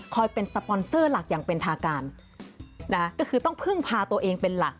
เป็นสปอนเซอร์หลักอย่างเป็นทางการนะก็คือต้องพึ่งพาตัวเองเป็นหลัก